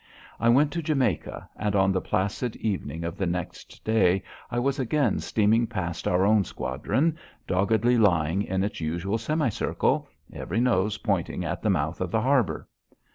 I went to Jamaica, and on the placid evening of the next day I was again steaming past our own squadron, doggedly lying in its usual semicircle, every nose pointing at the mouth of the harbour.